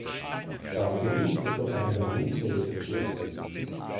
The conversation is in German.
Das Gebiet ist durch einen Rundweg erschlossen.